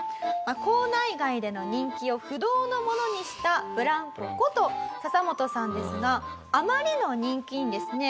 校内外での人気を不動のものにしたブランコことササモトさんですがあまりの人気にですね